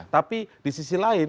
tapi di sisi lain